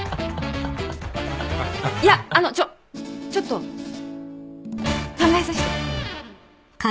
いやあのちょっちょっと考えさせて。